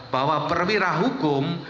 bahwa perwira hukum